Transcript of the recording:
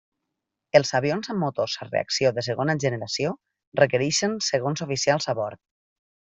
Els avions amb motors a reacció de segona generació requereixen segons oficials a bord.